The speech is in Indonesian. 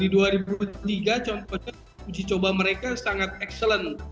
di dua ribu tiga contohnya uji coba mereka sangat excellent